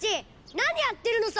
なにやってるのさ！